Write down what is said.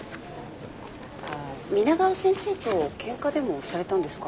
ああ皆川先生と喧嘩でもされたんですか？